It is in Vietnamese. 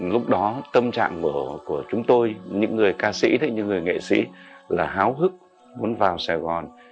lúc đó tâm trạng của chúng tôi những người ca sĩ những người nghệ sĩ là háo hức muốn vào sài gòn